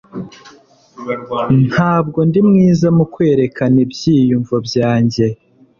Ntabwo ndi mwiza mu kwerekana ibyiyumvo byanjye.